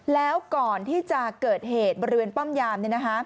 แล้วก่อนที่จะเกิดเหตุบริเวณป้อมยาม